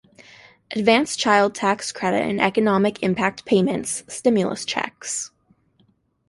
Advance Child Tax Credit and Economic Impact Payments - Stimulus Checks